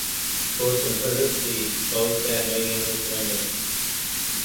For simplicity, suppose that mating is random.